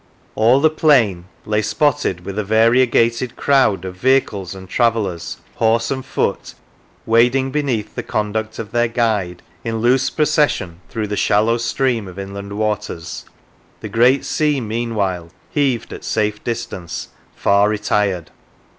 All the plain Lay spotted with a variegated crowd Of vehicles and travellers, horse and foot, Wading beneath the conduct of their guide In loose procession through the shallow stream Of inland waters; the great sea meanwhile Heaved at safe distance, far retired.